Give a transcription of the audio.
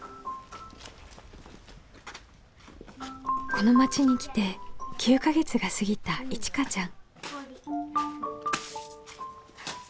この町に来て９か月が過ぎたいちかちゃん。